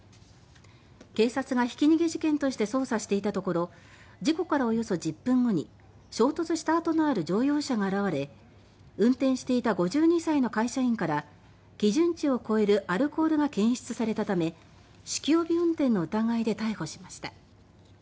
警察が、ひき逃げ事件として捜査していたところ事故からおよそ１０分後に衝突した痕のある乗用車が現れ運転していた５２歳の会社員から基準値を超えるアルコールが検出されたため酒気帯び運転の疑いで逮捕しました。